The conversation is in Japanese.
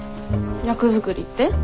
役作りって？